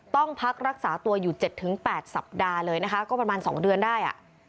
ต้องพักรักษาตัวอยู่๗๘สัปดาห์เลยนะคะก็ประมาณ๒เดือนได้